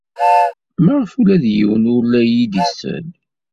Maɣef ula d yiwen ur la iyi-d-isell?